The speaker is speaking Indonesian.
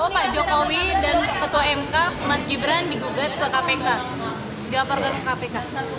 pak jokowi dan ketua mk mas gibran digugat ke kpk dilaporkan ke kpk